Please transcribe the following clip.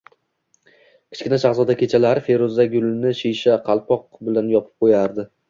Kichkina shahzoda kechasilari feruza gulni shisha qalpoq bilan yopib qo‘yardi